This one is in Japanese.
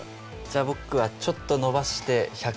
じゃあ僕はちょっと伸ばして１００で。